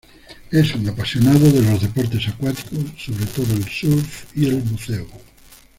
Es un apasionado de los deportes acuáticos, sobre todo el surf y el buceo.